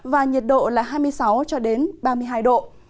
và nhiệt độ là hai mươi năm cho đến ba mươi một độ